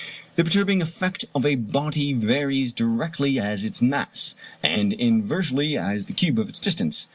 The perturbing effect of a body varies directly as its mass, and inversely as the cube of its distance.